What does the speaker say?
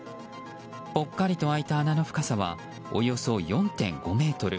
ぽっかりと空いた穴の深さはおよそ４．５ｍ。